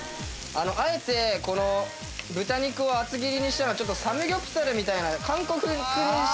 あえてこの豚肉を厚切りにしたのはサムギョプサルみたいな韓国風にしたかった。